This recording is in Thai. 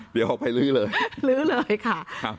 เดี๋ยวออกไปลื้อเลยลื้อเลยค่ะ